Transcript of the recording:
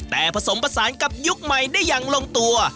แต่ผสมผสานกับยุคใหม่ได้อย่างลงตัว